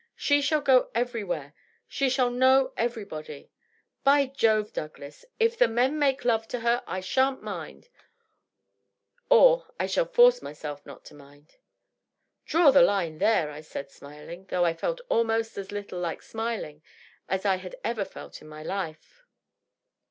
She shall go everywhere; she shall know everybody. By Jove, Douglas, if the men make love to her I shan't mind— or I shall force myself not to mind !"" Draw the line there," I said, smiling— though I felt almost as little like smiling as I had ever felt in my life.